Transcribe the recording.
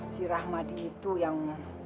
si ramadi itu yang